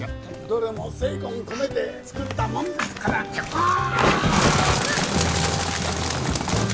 どれも精魂込めて作ったもんですからああ！